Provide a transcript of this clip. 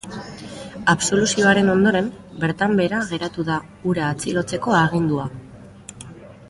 Absoluzioaren ondoren, bertan behera geratu da hura atxilotzeko agindua.